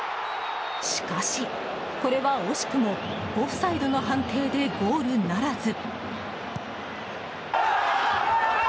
しかし、これは惜しくもオフサイドの判定でゴールならず。